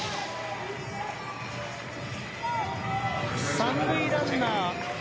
３塁ランナー。